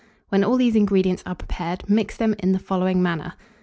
When all these ingredients are prepared, mix them in the following manner.